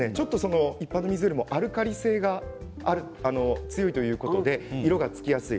一般の水よりアルカリ性が強いということで色がつきやすい。